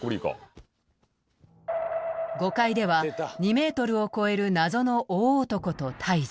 ５階では２メートルを超える謎の大男と対峙。